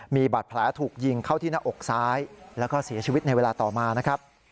มีบาดแผลถูกยิงเข้าที่หน้าอกซ้ายแล้วก็เสียชีวิตในเวลาต่อมานะครับ